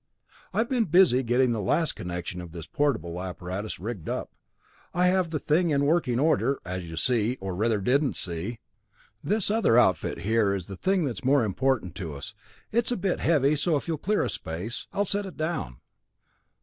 "I've been busy getting the last connection of this portable apparatus rigged up. I have the thing in working order, as you see or rather, didn't see. This other outfit here is the thing that is more important to us. It's a bit heavy, so if you'll clear a space, I'll set it down.